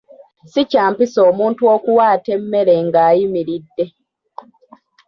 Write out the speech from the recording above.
Si kya mpisa omuntu okuwaata emmere nga ayimiridde.